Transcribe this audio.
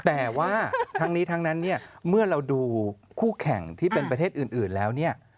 แต่ว่าทั้งนี้ทั้งนั้นเนี่ยเมื่อเราดูคู่แข่งที่เป็นประเทศอื่นแล้วเนี่ย